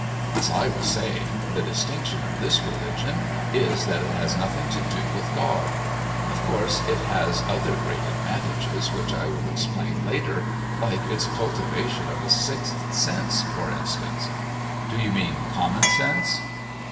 "As I was saying, the distinction of this religion is that it has nothing to do with God. Of course it has other great advantages, which I will explain later, like its cultivation of a sixth sense, for instance " "Do you mean common sense?"